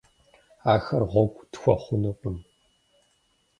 Ахэр гъуэгу тхуэхъунукъым.